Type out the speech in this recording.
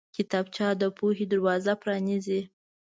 کتابچه د پوهې دروازه پرانیزي